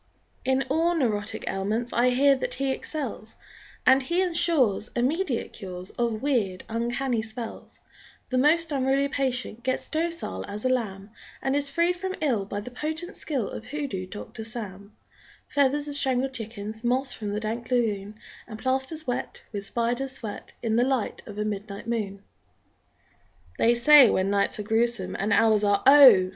_ In all neurotic ailments I hear that he excels, And he insures Immediate cures Of weird, uncanny spells; The most unruly patient Gets docile as a lamb And is freed from ill by the potent skill Of Hoodoo Doctor Sam; Feathers of strangled chickens, Moss from the dank lagoon, And plasters wet With spider sweat In the light of a midnight moon! They say when nights are grewsome And hours are, oh!